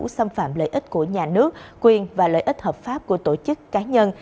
xâm phạm lợi ích của nhà nước quyền và lợi ích hợp pháp của tổ chức cá nhân